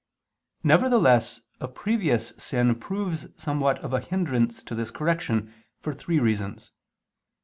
Nevertheless a previous sin proves somewhat of a hindrance to this correction, for three reasons.